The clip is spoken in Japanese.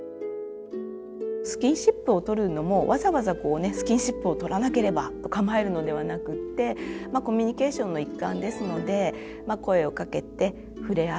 スキンシップを取るのもわざわざスキンシップを取らなければと構えるのではなくってコミュニケーションの一環ですので声をかけて触れ合う。